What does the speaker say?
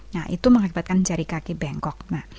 nah itu mengakibatkan jari kaki bengkok